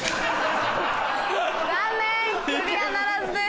残念クリアならずです！